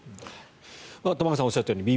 玉川さんがおっしゃったように